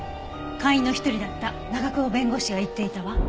会員の一人だった長久保弁護士が言っていたわ。